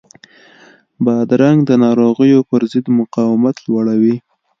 بادرنګ د ناروغیو پر ضد مقاومت لوړوي.